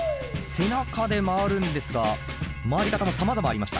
背中で回るんですが回り方もさまざまありました。